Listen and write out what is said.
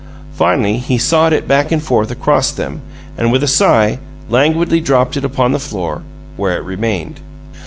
Finally, he sawed it back and forth across them, and, with a sigh, languidly dropped it upon the floor, where it remained.